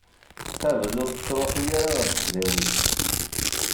Qabel, ur tettruḥu ara ɣer tesdawit.